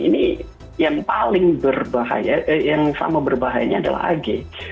ini yang paling berbahaya yang sama berbahayanya adalah ag